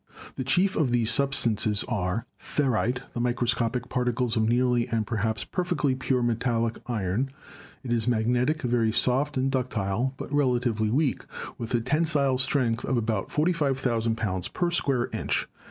The chief of these substances are — Ferrite, the microscopic particles of nearly and perhaps perfectly pure metallic iron. It is magnetic, very soft an4 288 GEOLOGY ductile, but relatively weak, with a tensile strength of about 45,000 pounds per square inch.